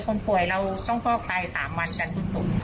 คนป่วยเราต้องฟอกไตท์๓วันกันคุ้นสุด